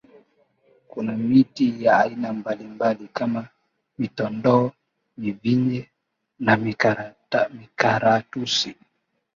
Kuna miti ya aina mbalimbali kama mitondoo mivinje na mikaratusi